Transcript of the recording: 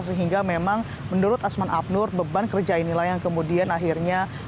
sehingga memang menurut asman abnur beban kerja inilah yang kemudian akhirnya